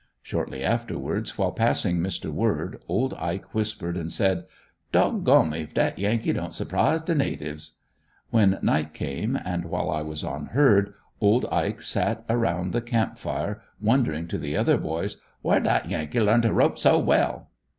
Shortly afterwards while passing Mr. Word old Ike whispered and said: "Dogon me if dat yankee don't surprise de natives!" When night came, and while I was on herd, old Ike sat around the camp fire wondering to the other boys "whar dat yankee learned to rope so well."